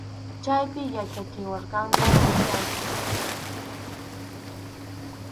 Chaypi yachachiwarqanku marchayta.